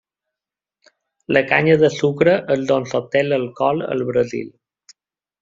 La canya de sucre és d'on s'obté l'alcohol al Brasil.